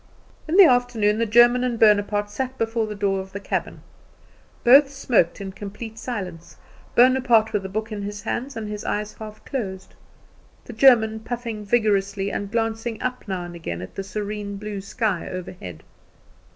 In the afternoon the German and Bonaparte sat before the door of the cabin. Both smoked in complete silence Bonaparte with a book in his hands and his eyes half closed; the German puffing vigorously, and glancing up now and again at the serene blue sky overhead.